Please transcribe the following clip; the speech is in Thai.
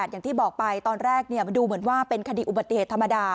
อย่างที่บอกไปตอนแรกดูเหมือนว่าเป็นคดีอุบัติเหตุธรรมดา